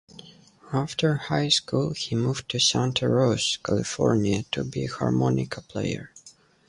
After high school, he moved to Santa Rosa, California, to be a harmonica player.